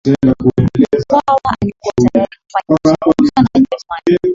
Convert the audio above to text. Mkwawa alikuwa tayari kufanya mazungumzo na Wajerumani